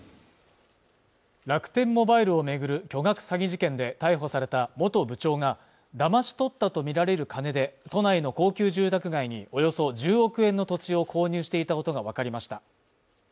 楽天モバイルを巡る巨額詐欺事件で逮捕された元部長がだまし取ったとみられる金で、都内の高級住宅街におよそ１０億円の土地を購入していたことがわかりました。